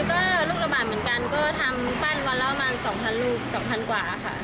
ก็ทำปั้นวันละประมาณ๒๐๐๐ลูก๒๐๐๐กว่าค่ะ